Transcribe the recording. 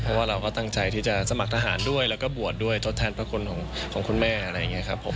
เพราะว่าเราก็ตั้งใจที่จะสมัครทหารด้วยแล้วก็บวชด้วยทดแทนพระคุณของคุณแม่อะไรอย่างนี้ครับผม